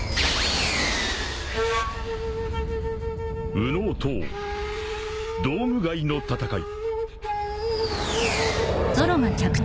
［右脳塔ドーム外の戦い］